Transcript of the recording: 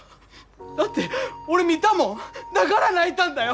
だって俺見たもんだから泣いたんだよ！